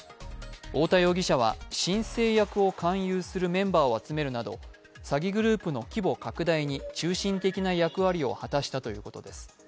太田容疑者は申請役を勧誘するメンバーを集めるなど詐欺グループの規模拡大に中心的な役割を果たしたということです。